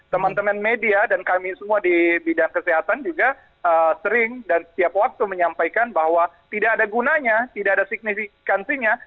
teman teman media dan kami semua di bidang kesehatan juga sering dan setiap waktu menyampaikan bahwa tidak ada gunanya tidak ada signifikansinya